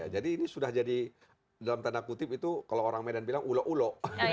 jadi ini sudah jadi dalam tanda kutip itu kalau orang medan bilang ulo ulo